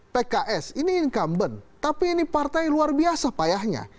pks ini incumbent tapi ini partai luar biasa payahnya